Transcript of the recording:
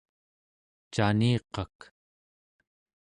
caniqak